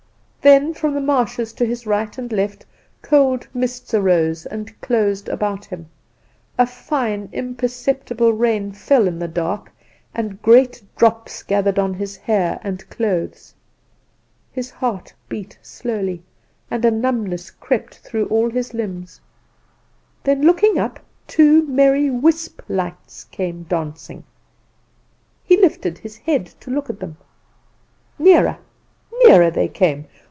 "Then from the marshes to his right and left cold mists arose and closed about him. A fine, imperceptible rain fell in the dark, and great drops gathered on his hair and clothes. His heart beat slowly, and a numbness crept through all his limbs. Then, looking up, two merry wisp lights came dancing. He lifted his head to look at them. Nearer, nearer they came.